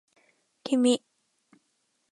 君